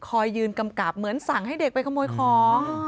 ยืนกำกับเหมือนสั่งให้เด็กไปขโมยของ